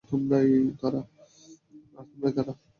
আর তোমরাই তারা।